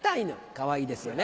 かわいいですよね。